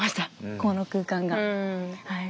この空間がはい。